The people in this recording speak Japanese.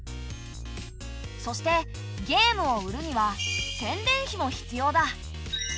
そしてゲームを売るには宣伝費も必要だ。